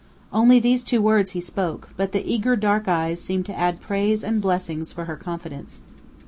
Only these two words he spoke, but the eager dark eyes seemed to add praise and blessings for her confidence.